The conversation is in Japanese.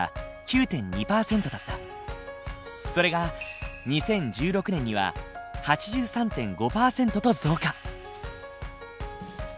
それが２０１６年には８３．５％と増加。